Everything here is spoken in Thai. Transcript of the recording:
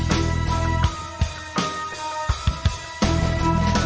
ก็ไม่น่าจะดังกึ่งนะ